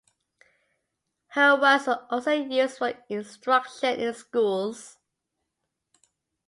Her works were also used for instruction in schools.